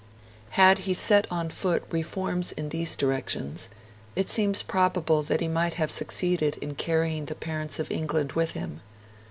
Had he set on foot reforms in these directions, it seems probable that he might have succeeded in carrying the parents of England with him.